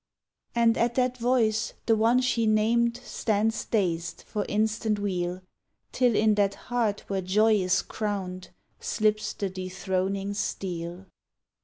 And at that voice the one she named Stands dazed, for instant weal, Till in that heart where joy is crowned Slips the dethroning steel.